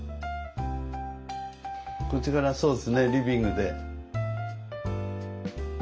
こちらがそうですねリビングで。